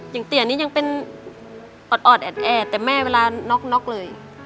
อย่างตีอันนี้ยังเป็นออดแอดแต่แม่เวลาน็อกเลย